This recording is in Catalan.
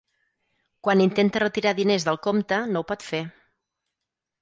Quan intenta retirar diners del compte no ho pot fer.